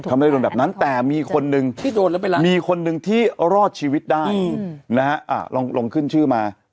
เขาไม่ได้โดนแบบนั้นแต่มีคนหนึ่งที่โดนแล้วไปแล้วมีคนนึงที่รอดชีวิตได้นะฮะลองขึ้นชื่อมา